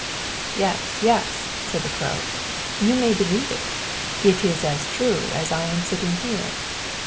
"Yes yes," said the Crow, "you may believe it; it is as true as I am sitting here.